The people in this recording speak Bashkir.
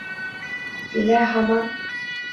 Дилә һаман: